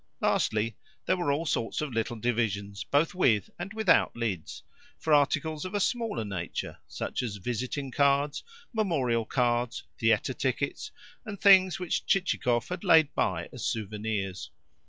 Lastly there were all sorts of little divisions, both with and without lids, for articles of a smaller nature, such as visiting cards, memorial cards, theatre tickets, and things which Chichikov had laid by as souvenirs.